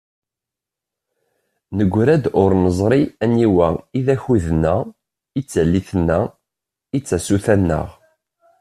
Negra-d ur neẓri aniwa i d akud-nneɣ, i d tallit-nneɣ, i d tasuta-nneɣ.